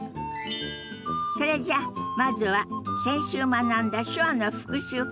それじゃあまずは先週学んだ手話の復習から始めましょ。